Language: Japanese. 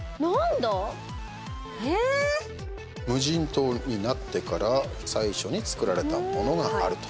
無人島になってから最初につくられたものがあると。